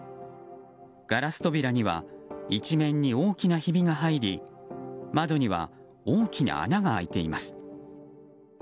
ガラス扉には一面に大きなひびが入り窓には大きな穴が開いています。